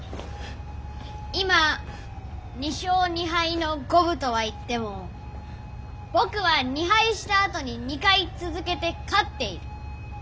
今「２勝２敗」の五分とはいってもぼくは２敗したあとに２回続けて勝っている。